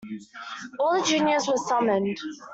All the juniors were summoned.